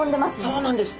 そうなんです。